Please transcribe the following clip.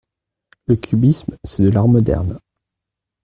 Le cubisme c’est de l’art moderne.